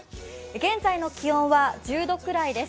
現在の気温は１０度くらいです。